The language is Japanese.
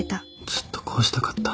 ずっとこうしたかった。